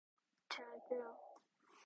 잘 들어.